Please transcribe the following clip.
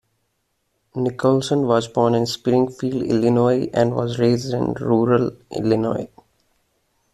Nicholson was born in Springfield, Illinois, and was raised in rural Illinois.